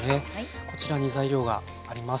こちらに材料があります。